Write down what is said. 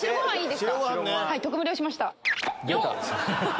はい。